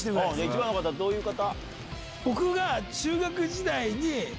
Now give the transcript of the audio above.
１番の方どういう方？